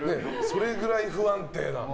それくらい不安定な。